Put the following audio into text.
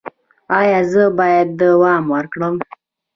ایا زه باید دوام ورکړم؟